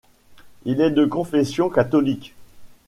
Il est de confession catholique.